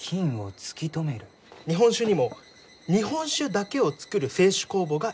日本酒にも日本酒だけを造る清酒酵母がいるのか。